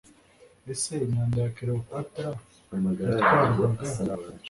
Ese imyanda ya Cleopatra yatwarwaga